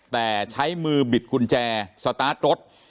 แต่ใช้มือบิดกุญแจสตาร์ทรถ